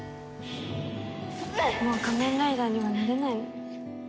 もう仮面ライダーにはなれないのに。